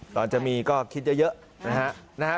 ตอนจะมีก็คิดเยอะนะฮะ